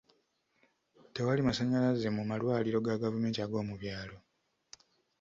Tewali masannyalaze mu malwaliro ga gavumenti ag'omu byalo.